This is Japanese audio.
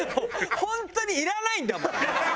本当にいらないんだもん。